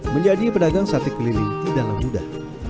menjadi pedagang sate keliling tidaklah mudah